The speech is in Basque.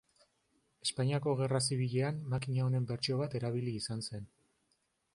Espainiako Gerra Zibilean makina honen bertsio bat erabili izan zen.